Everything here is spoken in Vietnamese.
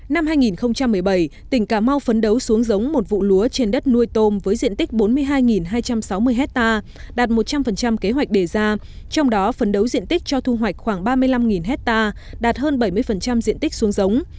năm hai nghìn một mươi bảy tỉnh cà mau phấn đấu xuống giống một vụ lúa trên đất nuôi tôm với diện tích bốn mươi hai hai trăm sáu mươi hectare đạt một trăm linh kế hoạch đề ra trong đó phấn đấu diện tích cho thu hoạch khoảng ba mươi năm hectare đạt hơn bảy mươi diện tích xuống giống